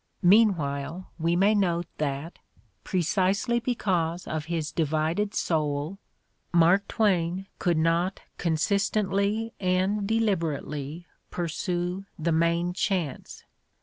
Meanwhile, we may note that, precisely because of his divided soul, Mark Twain could not consistently and deliberately pursue the main chance.